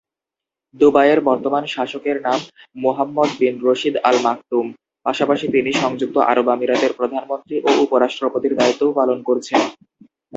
দুবাইয়ের বর্তমান শাসকের নাম মুহাম্মদ বিন রশীদ আল মাকতুম, পাশাপাশি তিনি সংযুক্ত আরব আমিরাতের প্রধানমন্ত্রী ও উপ-রাষ্ট্রপতির দায়িত্বও পালন করছেন।